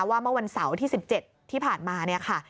เมื่อวันเสาร์ที่๑๗ที่ผ่านมาเนี่ยค่ะ